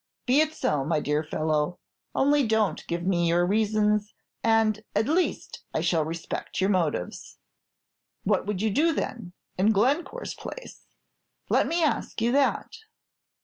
"Be it so, my dear fellow; only don't give me your reasons, and at least I shall respect your motives." "What would you do, then, in Glencore's place? Let me ask you that."